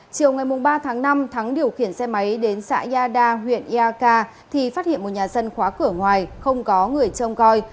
chiều ngày ba tháng năm thắng điều khiển xe máy đến xã gia đa huyện ea ca thì phát hiện một nhà dân khóa cửa ngoài không có người trông coi